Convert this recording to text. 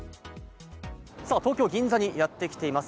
東京・銀座にやってきています。